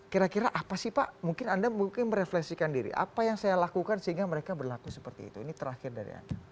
kira kira apa sih pak mungkin anda mungkin merefleksikan diri apa yang saya lakukan sehingga mereka berlaku seperti itu ini terakhir dari anda